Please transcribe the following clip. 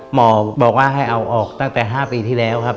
หมอบอกว่าให้เอาออกตั้งแต่๕ปีที่แล้วครับ